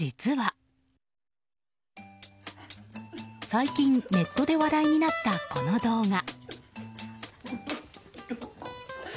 最近ネットで話題になったこの動画。